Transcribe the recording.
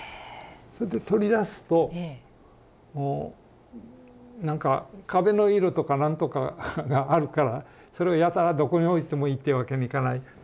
それで取り出すともうなんか壁の色とかなんとかがあるからそれをやたらどこに置いてもいいってわけにいかない。